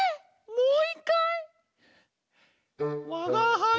もういっかい！